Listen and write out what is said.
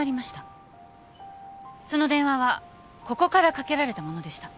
その電話はここからかけられたものでした。